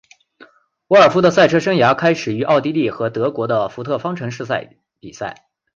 沃尔夫的赛车生涯开始于奥地利和德国的福特方程式比赛。